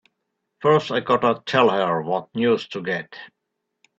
First I gotta tell her what news to get!